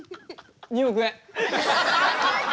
２億円。